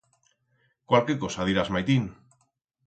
Cualque cosa dirás maitín.